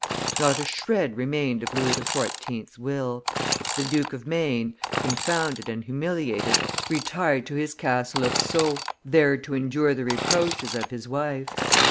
Not a shred remained of Louis XIV.'s will. The Duke of Maine, confounded and humiliated, retired to his Castle of Sceaux, there to endure the reproaches of his wife.